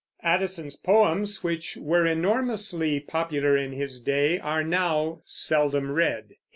Addison's poems, which were enormously popular in his day, are now seldom read.